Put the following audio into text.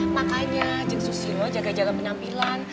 makanya jack susilo jaga jaga penampilan